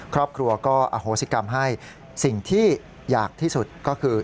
ครอบครัวก็อโหสิกรรมให้สิ่งที่อยากที่สุดก็คือ